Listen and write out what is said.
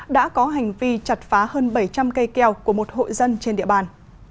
đã có hành vi chặt phá hơn bảy trăm linh cây keo của một hội dân trên địa bàn